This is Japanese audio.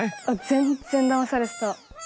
全然だまされてた。